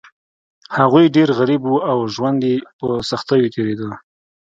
هغوی ډیر غریب وو او ژوند یې په سختیو تیریده.